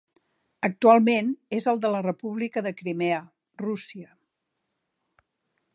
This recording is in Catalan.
Actualment és el de la República de Crimea, Rússia.